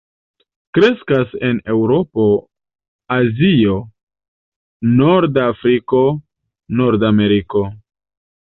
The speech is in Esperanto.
Kreskas en Eŭropo, Azio, norda Afriko, Nordameriko.